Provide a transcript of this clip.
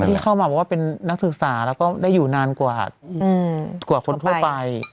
ที่เข้ามาบอกว่าเป็นนักศึกษาแล้วก็ได้อยู่นานกว่าคนทั่วไป